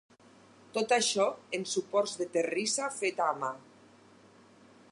Tot això en suports de terrissa feta a mà.